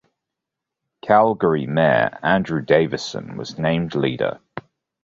Calgary mayor Andrew Davison was named leader.